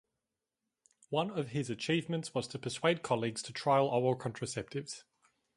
One of his achievements was to persuade colleagues to trial oral contraceptives.